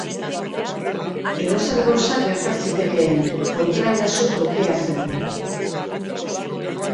Edozer gauza gerta zitekeen, kontraeraso trukea zen.